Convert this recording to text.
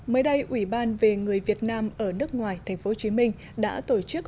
mới đây ủy ban về người việt nam ở nước ngoài tp hcm đã tổ chức